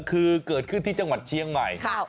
คือเกิดขึ้นที่จังหวัดเชียงใหม่